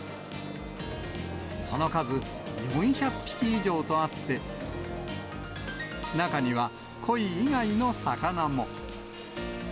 その数、４００匹以上とあって、中には、コイ以外の魚も。